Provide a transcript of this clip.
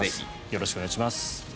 よろしくお願いします。